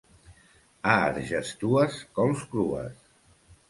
A Argestues, cols crues.